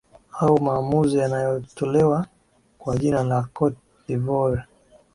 au maamuzi yanayotolewa kwa jina la cote de voire